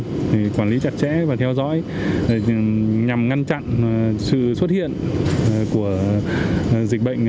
để quản lý chặt chẽ và theo dõi nhằm ngăn chặn sự xuất hiện của dịch bệnh